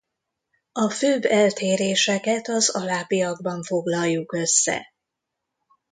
A főbb eltéréseket az alábbiakban foglaljuk össze.